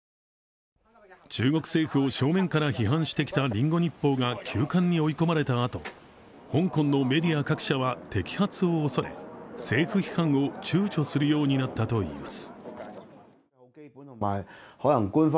中国政府を正面から批判していた「リンゴ日報」が休刊に追い込まれたあと香港のメディア各社は摘発を恐れ、政府批判をちゅうちょするようになったといいます。